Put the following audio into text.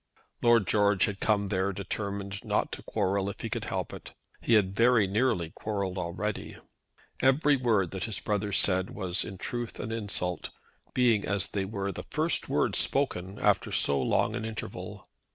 Lord George had come there determined not to quarrel if he could help it. He had very nearly quarrelled already. Every word that his brother said was in truth an insult, being, as they were, the first words spoken after so long an interval.